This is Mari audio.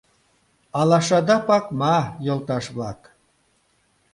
Алашада пакма, йолташ-влак!